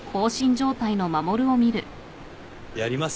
やります。